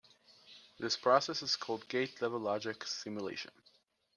This process is called gate level logic simulation.